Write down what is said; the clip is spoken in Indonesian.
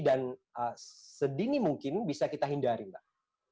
dan sedini mungkin bisa kita hindari mbak